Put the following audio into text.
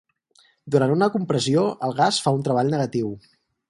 Durant una compressió el gas fa un treball negatiu.